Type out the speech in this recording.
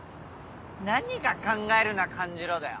何が「考えるな感じろ」だよ！